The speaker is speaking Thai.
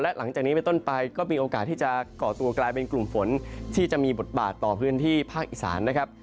หลังจากนี้ไปต้นไปก็มีโอกาสที่จะก่อตัวกลายเป็นกลุ่มฝนที่จะมีบทบาทต่อพื้นที่ภาคอีสานนะครับ